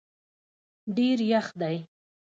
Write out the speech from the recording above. ډېر یخ دی